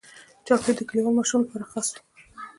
چاکلېټ د کلیوال ماشوم لپاره خاص وي.